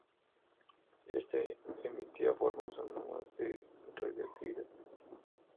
Este emitía formas anómalas de radiactividad.